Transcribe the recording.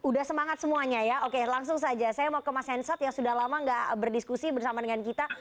udah semangat semuanya ya oke langsung saja saya mau ke mas hensat yang sudah lama gak berdiskusi bersama dengan kita